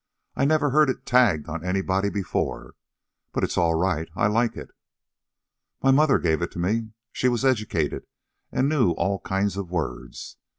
I never heard it tagged on anybody before. But it's all right. I like it." "My mother gave it to me. She was educated, and knew all kinds of words.